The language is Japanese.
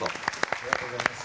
ありがとうございます。